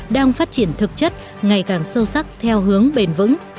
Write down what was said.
đang phát triển thực chất ngày càng sâu sắc theo hướng bền vững